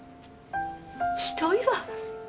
ひどいわ。